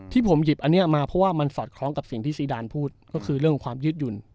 ที่ผมหยิบอันนี้มาเพราะว่ามันสอดคล้องกับสิ่งที่ซีดานพูดก็คือเรื่องความยืดหยุ่น